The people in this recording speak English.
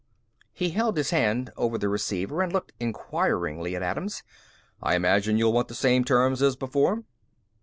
He held his hand over the receiver and looked inquiringly at Adams. "I imagine you'll want the same terms as before."